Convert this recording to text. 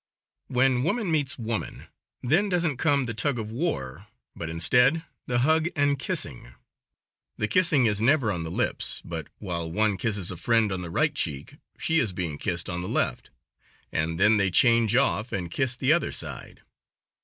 When woman meets woman then doesn't come "the tug of war," but instead the "hug and kissing;" the kissing is never on the lips, but while one kisses a friend on the right cheek, she is being kissed on the left, and then they change off and kiss the other side.